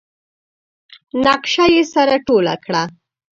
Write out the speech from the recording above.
نخشه يې سره ټوله کړه.